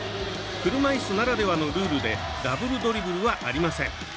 車いすならではのルールでダブルドリブルはありません。